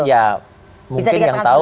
ya mungkin yang tahu